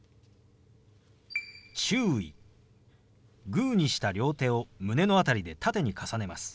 グーにした両手を胸の辺りで縦に重ねます。